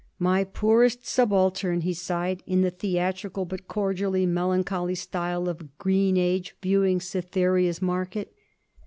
'My poorest subaltern!' he sighed, in the theatrical but cordially melancholy style of green age viewing Cytherea's market.